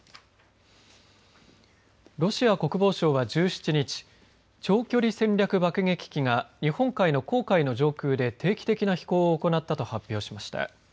ロシア国防省は１７日長距離戦略爆撃機が日本海の公海の上空で定期的な飛行を行ったと発表しました。